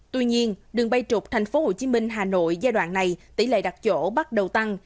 tuy nhiên đường bay trục tp hcm hà nội giai đoạn này tỷ lệ đặt chỗ bắt đầu tăng